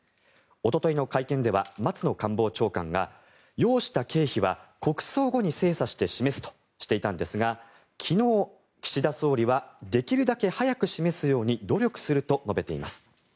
おとといの会見では松野官房長官が、要した経費は国葬後に精査して示すとしていたんですが昨日、岸田総理はできるだけ早く示すように努力すると述べています。